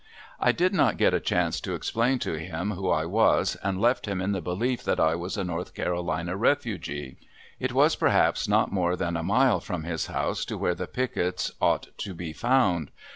I did not get a chance to explain to him who I was and left him in the belief that I was a North Carolina refugee. It was perhaps not more than a mile from his house to where the pickets ought to be found.